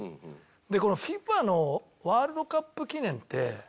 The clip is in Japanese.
このＦＩＦＡのワールドカップ記念って。